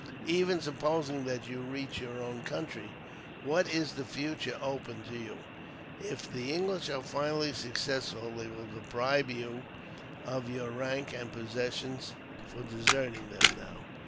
Even supposing that you reach your own country, what is the future open to you? If the English are finally successful, they will deprive you of your rank and possessions for deserting them now.